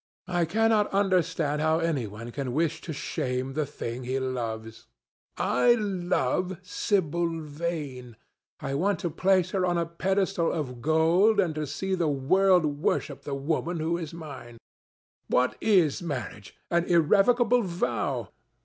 I cannot understand how any one can wish to shame the thing he loves. I love Sibyl Vane. I want to place her on a pedestal of gold and to see the world worship the woman who is mine. What is marriage? An irrevocable vow.